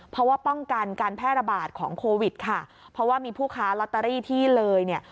เพราะว่าป้องกันการแพร่ระบาดของโควิดค่ะเพราะว่ามีผู้ค้าลอตเตอรี่ที่เลยเนี่ย